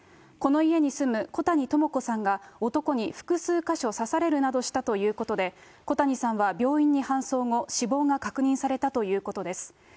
この家に住むこたにともこさんが、男に複数箇所刺されるなどしたということで、こたにさんは病院に搬送後、死亡が確認されたということです。